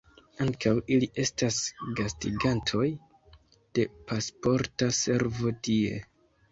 Ankaŭ ili estas gastigantoj de Pasporta Servo tie.